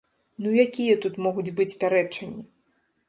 Ну якія тут могуць быць пярэчанні?